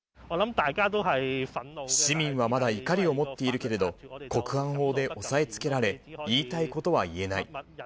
市民はまだ怒りを持っているけれど、国安法で抑えつけられ、言いたいことは言えない。